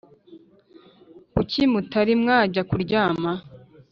kuki mutari mwajya kuryama